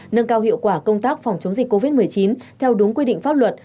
nâng cao hiệu quả công tác phòng chống dịch covid một mươi chín theo đúng quy định pháp luật